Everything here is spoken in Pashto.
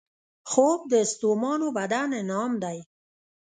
خوب د ستومانو بدن انعام دی